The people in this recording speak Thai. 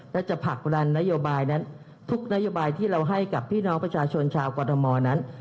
และจะผลักดันนโยบายนั้นทุกนโยบายที่เราให้กับพี่น้องประชาชนชาวกรทมนั้น